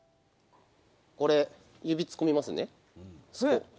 これ指突っ込みますね。